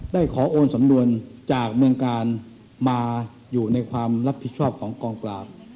ขอโอนสำนวนจากเมืองกาลมาอยู่ในความรับผิดชอบของกองปราบ